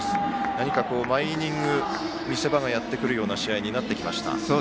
何か、毎イニング見せ場がやってくるような試合になってきました。